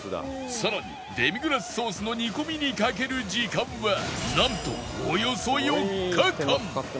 さらにデミグラスソースの煮込みにかける時間はなんとおよそ４日間